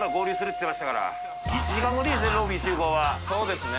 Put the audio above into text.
そうですね。